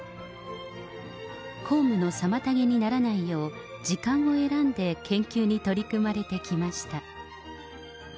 公務の妨げにならないよう、時間を選んで研究に取り組まれてきました。